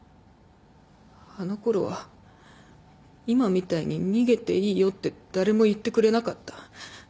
あのころは今みたいに逃げていいよって誰も言ってくれなかった。